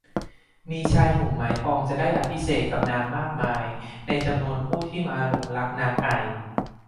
มีชายหนุ่มหมายปองจะได้อภิเษกกับนางมากมาย ในจำนวนผู้ที่มาหลงรักนางไอ่